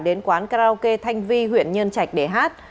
đến quán karaoke thanh vi huyện nhân trạch để hát